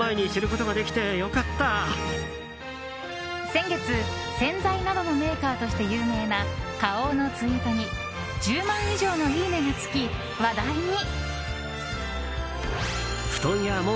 先月、洗剤などのメーカーとして有名な花王のツイートに１０万以上のいいねがつき話題に。